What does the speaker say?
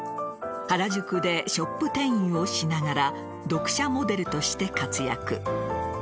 原宿でショップ店員をしながら読者モデルとして活躍。